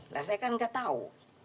nah saya kan gak tau